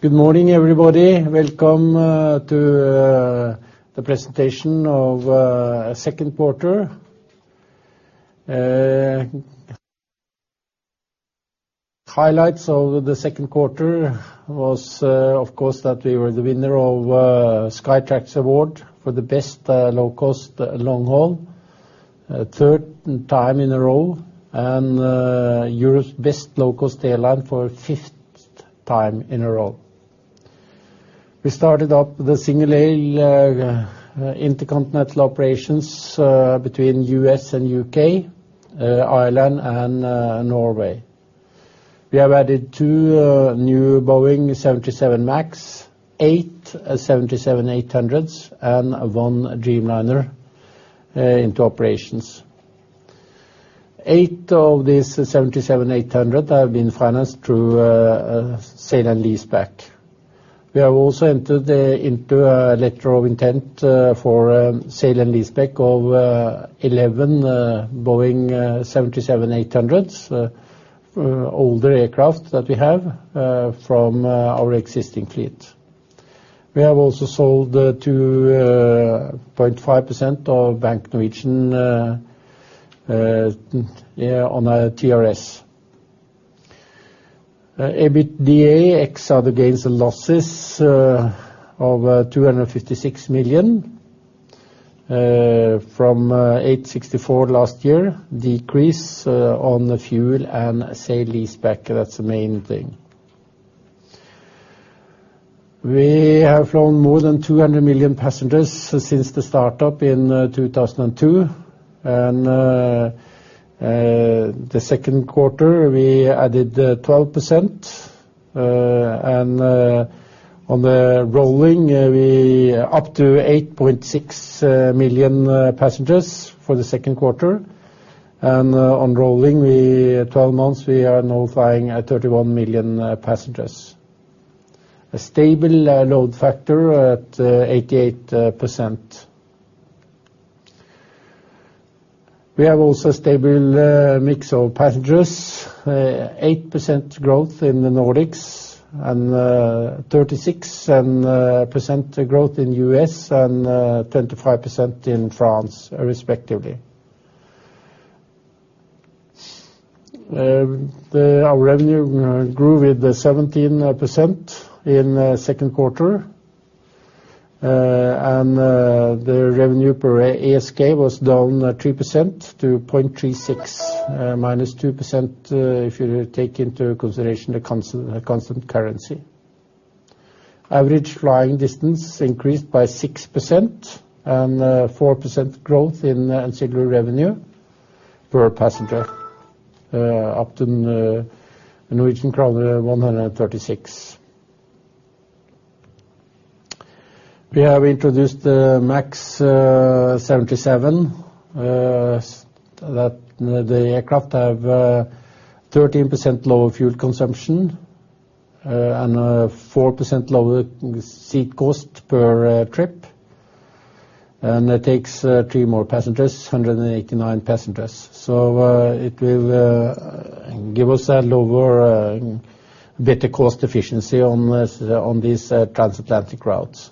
Good morning, everybody. Welcome to the presentation of our 2nd quarter. Highlights of the 2nd quarter was, of course, that we were the winner of the Skytrax award for the Best Low Cost Long Haul. 3rd time in a row, and Europe's Best Low Cost Airline for the 5th time in a row. We started up the single intercontinental operations between the U.S. and U.K., Ireland, and Norway. We have added 2 new Boeing 737 MAX, 8 787-8s, and one Dreamliner into operations. 8 of these 787-8s have been financed through sale and leaseback. We have also entered into a letter of intent for sale and leaseback of 11 Boeing 787-8s, older aircraft that we have from our existing fleet. We have also sold 2.5% of Bank Norwegian on TRS. EBITDA, except the gains and losses of 256 million from 864 last year, decrease on the fuel and sale and leaseback. That's the main thing. We have flown more than 200 million passengers since the startup in 2002. The 2nd quarter, we added 12%, and on the rolling, we are up to 8.6 million passengers for the 2nd quarter. On rolling 12 months, we are now flying at 31 million passengers. A stable load factor at 88%. We have also a stable mix of passengers, 8% growth in the Nordics and 36% growth in the U.S., and 25% in France, respectively. Our revenue grew with 17% in the 2nd quarter. The revenue per ASK was down 3% to 0.36, -2%, if you take into consideration the constant currency. Average flying distance increased by 6%, and 4% growth in ancillary revenue per passenger, up to NOK 136. We have introduced the MAX 737. The aircraft have 13% lower fuel consumption and a 4% lower seat cost per trip, and it takes 3 more passengers, 189 passengers. It will give us a better cost efficiency on these transatlantic routes.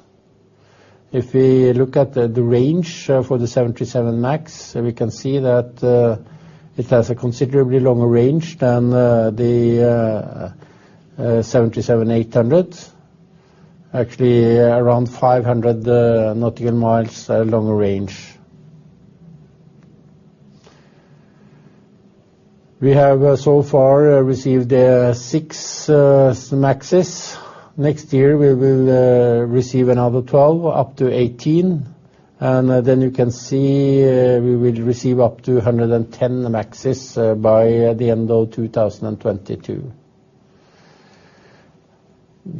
If we look at the range for the 737 MAX, we can see that it has a considerably longer range than the 737-800. Actually, around 500 nautical miles longer range. We have so far received 6 MAXs. Next year, we will receive another 12, up to 18. You can see, we will receive up to 110 MAXs by the end of 2022.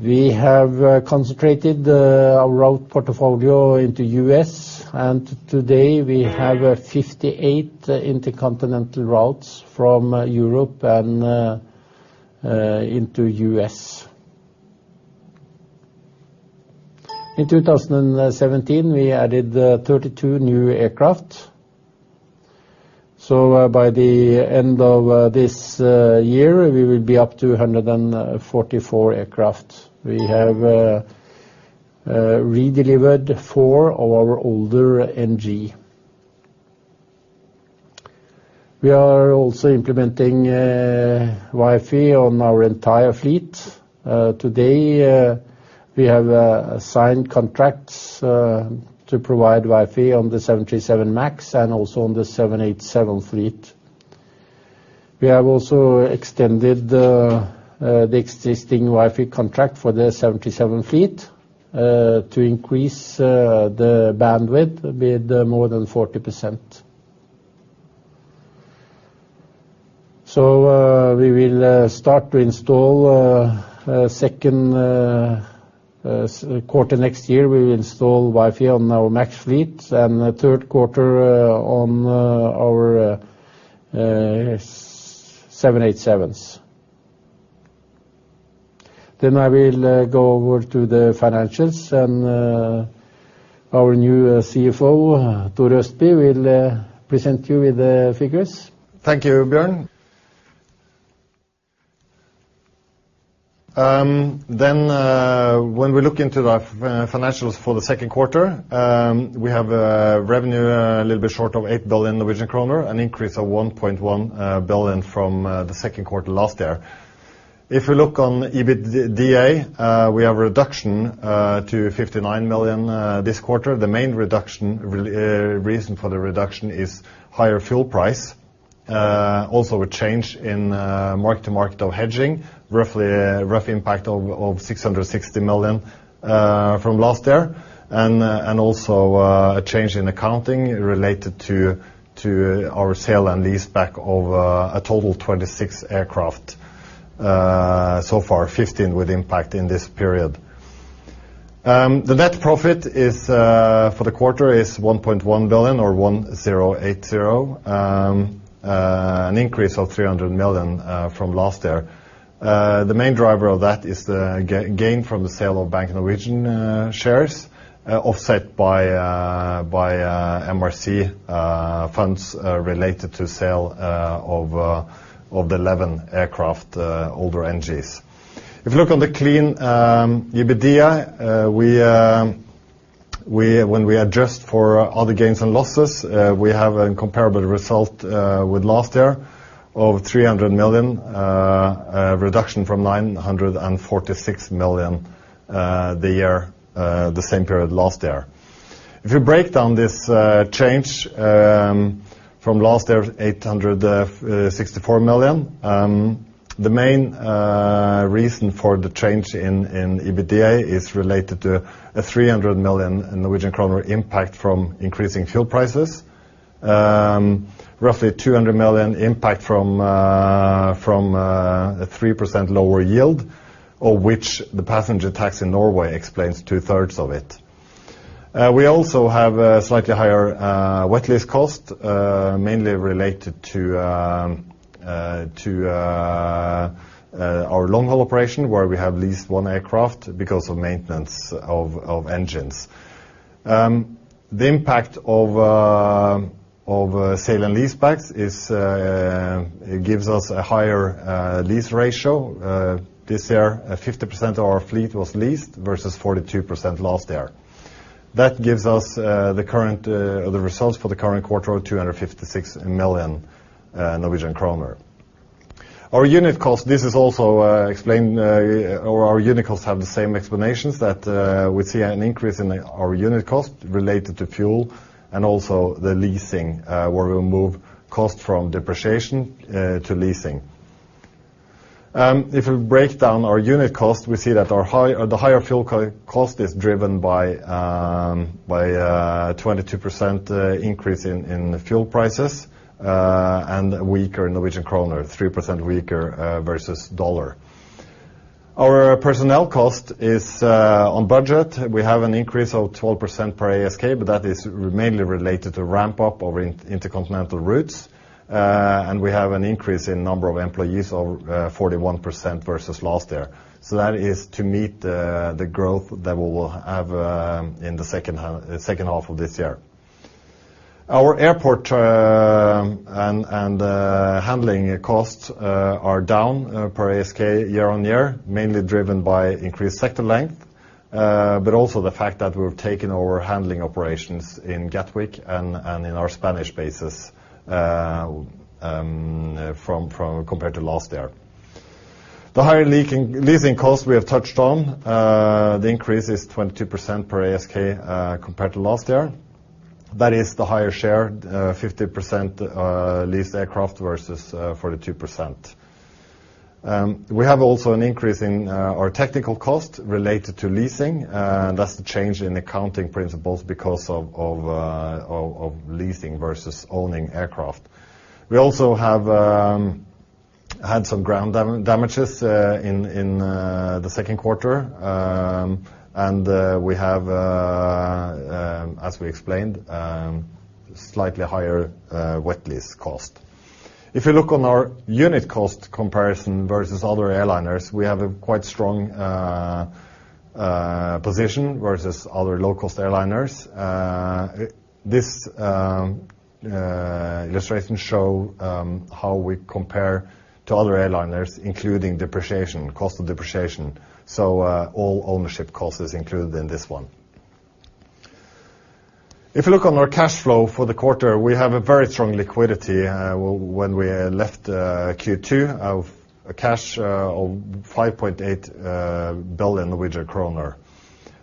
We have concentrated our route portfolio into the U.S., and today we have 58 intercontinental routes from Europe and into the U.S. In 2017, we added 32 new aircraft. By the end of this year, we will be up to 144 aircraft. We have redelivered 4 of our older NG. We are also implementing Wi-Fi on our entire fleet. Today, we have signed contracts to provide Wi-Fi on the 787 MAX and also on the 787 fleet. We have also extended the existing Wi-Fi contract for the 787 fleet to increase the bandwidth with more than 40%. We will start to install 2nd quarter next year. We will install Wi-Fi on our MAX fleet, and the 3rd quarter on our 787s. I will go over to the financials and our new CFO, Tore Østby, will present you with the figures. Thank you, Bjørn. When we look into the financials for the second quarter, we have revenue a little bit short of 8 billion Norwegian kroner, an increase of 1.1 billion from the second quarter last year. If we look on EBITDA, we have a reduction to 59 million this quarter. The main reason for the reduction is higher fuel price. Also a change in mark to market of hedging, rough impact of 660 million from last year. Also a change in accounting related to our sale and leaseback of a total of 26 aircraft so far, 15 with impact in this period. The net profit for the quarter is 1.1 billion or 1,080 million, an increase of 300 million from last year. The main driver of that is the gain from the sale of Bank Norwegian shares, offset by MRC funds related to sale of the 11 aircraft, older NGs. If you look on the clean EBITDA, when we adjust for all the gains and losses, we have a comparable result with last year of 300 million, a reduction from 946 million the same period last year. If you break down this change from last year, 864 million. The main reason for the change in EBITDA is related to a 300 million Norwegian kroner impact from increasing fuel prices. Roughly 200 million impact from a 3% lower yield, of which the passenger tax in Norway explains two-thirds of it. We also have a slightly higher wet lease cost, mainly related to our long-haul operation, where we have leased one aircraft because of maintenance of engines. The impact of sale and leasebacks gives us a higher lease ratio. This year, 50% of our fleet was leased versus 42% last year. That gives us the results for the current quarter of 256 million Norwegian kroner. Our unit costs have the same explanations that we see an increase in our unit cost related to fuel and also the leasing where we move cost from depreciation to leasing. If we break down our unit cost, we see that the higher fuel cost is driven by a 22% increase in fuel prices and a weaker Norwegian kroner, 3% weaker versus USD. Our personnel cost is on budget. We have an increase of 12% per ASK, but that is mainly related to ramp-up over intercontinental routes. We have an increase in number of employees of 41% versus last year. That is to meet the growth that we will have in the second half of this year. Our airport and handling costs are down per ASK year-on-year, mainly driven by increased sector length but also the fact that we've taken over handling operations in Gatwick and in our Spanish bases compared to last year. The higher leasing costs we have touched on, the increase is 22% per ASK compared to last year. That is the higher share, 50% leased aircraft versus 42%. We have also an increase in our technical cost related to leasing. That's the change in accounting principles because of leasing versus owning aircraft. We also have had some ground damages in the second quarter. We have, as we explained, slightly higher wet lease cost. If you look on our unit cost comparison versus other airliners, we have a quite strong position versus other low-cost airliners. This illustration shows how we compare to other airlines, including cost of depreciation. All ownership cost is included in this one. If you look on our cash flow for the quarter, we have a very strong liquidity when we left Q2 of a cash of 5.8 billion Norwegian kroner.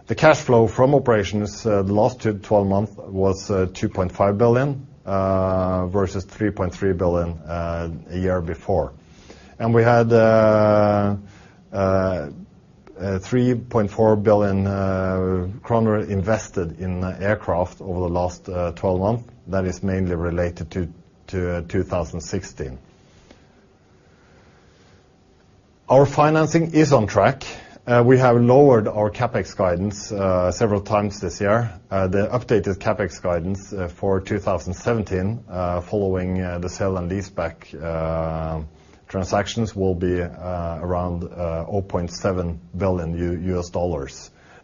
The cash flow from operations last 12 months was 2.5 billion versus 3.3 billion a year before. We had 3.4 billion kroner invested in aircraft over the last 12 months. That is mainly related to 2016. Our financing is on track. We have lowered our CapEx guidance several times this year. The updated CapEx guidance for 2017 following the sale and leaseback transactions will be around $0.7 billion.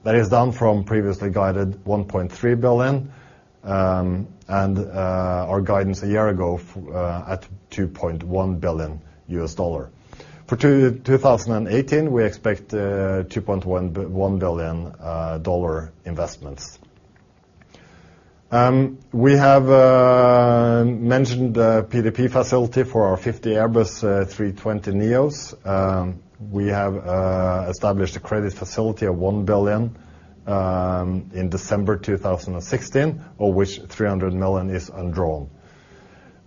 That is down from previously guided $1.3 billion. Our guidance a year ago at $2.1 billion. For 2018, we expect $2.1 billion investments. We have mentioned the PDP facility for our 50 Airbus A320neo. We have established a credit facility of $1 billion in December 2016, of which $300 million is undrawn.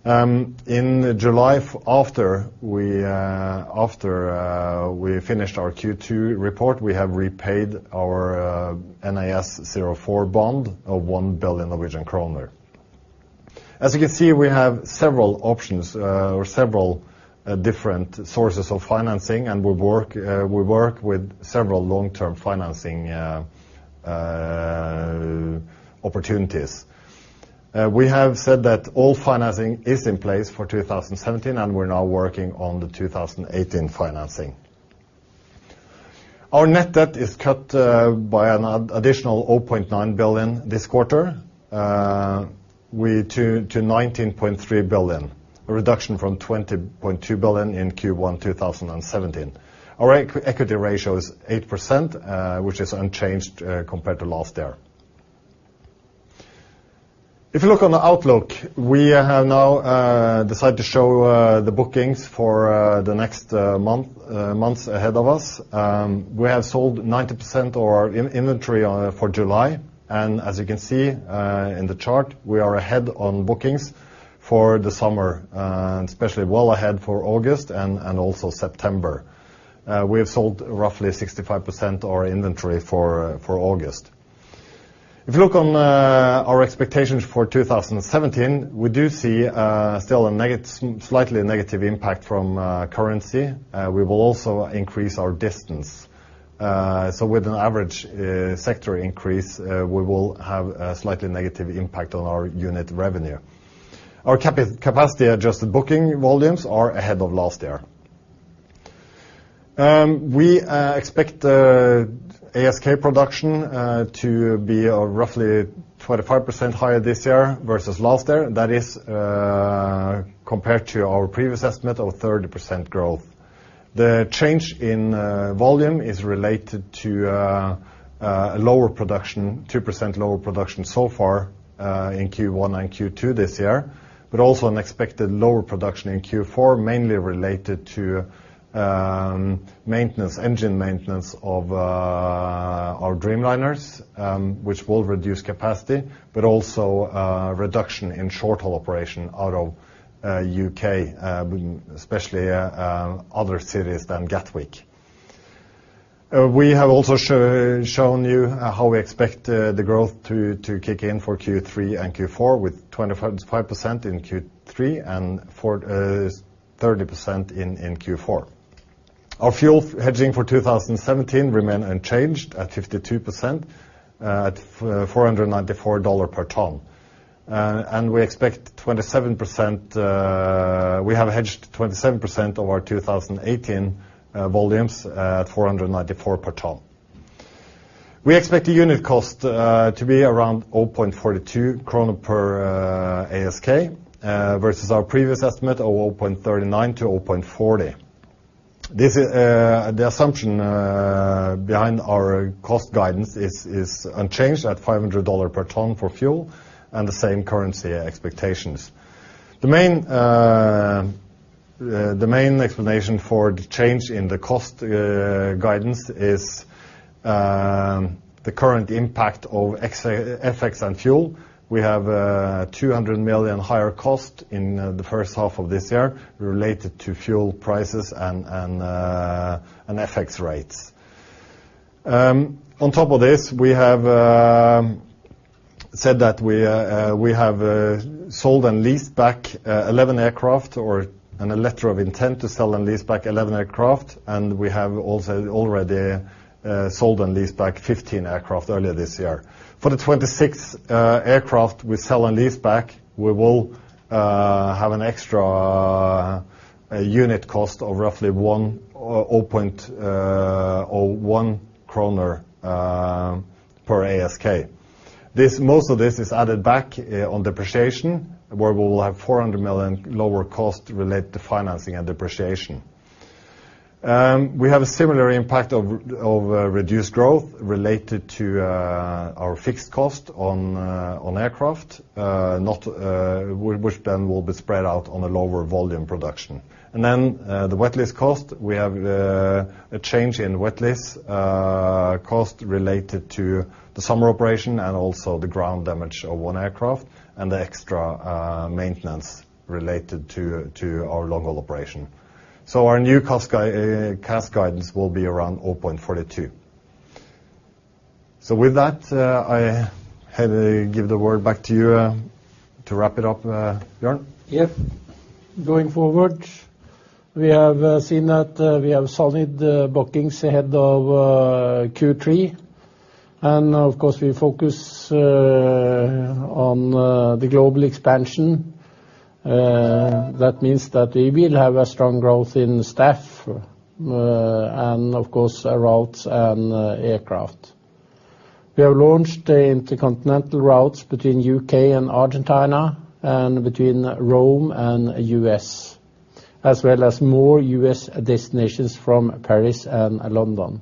In July, after we finished our Q2 report, we have repaid our NAS 04 bond of 1 billion Norwegian kroner. As you can see, we have several options or several different sources of financing and we work with several long-term financing opportunities. We have said that all financing is in place for 2017, and we are now working on the 2018 financing. Our net debt is cut by an additional 0.9 billion this quarter. We turn to 19.3 billion, a reduction from 20.2 billion in Q1 2017. Our equity ratio is 8%, which is unchanged compared to last year. If you look on the outlook, we have now decided to show the bookings for the next months ahead of us. We have sold 90% of our inventory for July, and as you can see in the chart, we are ahead on bookings for the summer, especially well ahead for August and also September. We have sold roughly 65% of our inventory for August. If you look on our expectations for 2017, we do see still a slightly negative impact from currency. We will also increase our distance. With an average sector increase, we will have a slightly negative impact on our unit revenue. Our capacity-adjusted booking volumes are ahead of last year. We expect ASK production to be roughly 25% higher this year versus last year. That is compared to our previous estimate of 30% growth. The change in volume is related to a 2% lower production so far in Q1 and Q2 this year, but also an expected lower production in Q4, mainly related to engine maintenance of our Dreamliners, which will reduce capacity, but also a reduction in short-haul operation out of U.K., especially other cities than Gatwick. We have also shown you how we expect the growth to kick in for Q3 and Q4, with 25% in Q3 and 30% in Q4. Our fuel hedging for 2017 remains unchanged at 52% at $494 per ton. We have hedged 27% of our 2018 volumes at $494 per ton. We expect the unit cost to be around 0.42 krone per ASK, versus our previous estimate of 0.39-0.40. The assumption behind our cost guidance is unchanged at $500 per ton for fuel and the same currency expectations. The main explanation for the change in the cost guidance is the current impact of FX and fuel. We have 200 million higher cost in the first half of this year related to fuel prices and FX rates. On top of this, we have said that we have sold and leased back 11 aircraft or an letter of intent to sell and lease back 11 aircraft, and we have also already sold and leased back 15 aircraft earlier this year. For the 26 aircraft we sell and lease back, we will have an extra unit cost of roughly 0.01 kroner per ASK. Most of this is added back on depreciation, where we will have 400 million lower cost related to financing and depreciation. We have a similar impact of reduced growth related to our fixed cost on aircraft, which then will be spread out on a lower volume production. The wet lease cost. We have a change in wet lease cost related to the summer operation and also the ground damage of one aircraft and the extra maintenance related to our long-haul operation. Our new CAS guidance will be around 0.42. With that, I give the word back to you to wrap it up, Bjørn. Going forward, we have seen that we have solid bookings ahead of Q3, and of course, we focus on the global expansion. That means that we will have a strong growth in staff and of course, routes and aircraft. We have launched intercontinental routes between U.K. and Argentina and between Rome and U.S., as well as more U.S. destinations from Paris and London.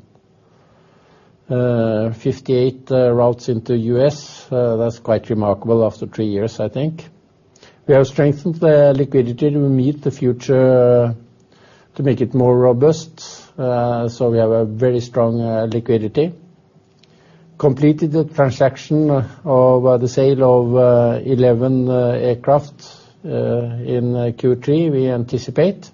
58 routes into U.S. That's quite remarkable after three years, I think. We have strengthened the liquidity to meet the future to make it more robust. We have a very strong liquidity. Completed the transaction of the sale of 11 aircraft in Q3, we anticipate.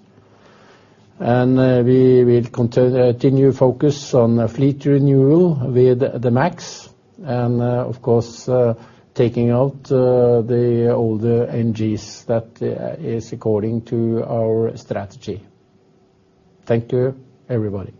We will continue focus on fleet renewal with the MAX and, of course, taking out the older NGs. That is according to our strategy. Thank you, everybody.